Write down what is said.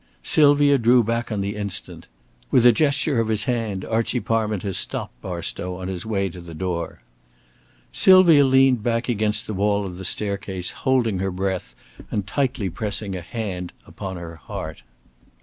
Sylvia drew back on the instant. With a gesture of his hand, Archie Parminter stopped Barstow on his way to the door. Sylvia leaned back against the wall of the staircase, holding her breath, and tightly pressing a hand upon her heart.